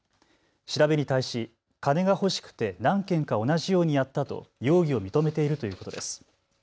調べに対し金が欲しくて何件か同じようにやったと容疑を認めているということです。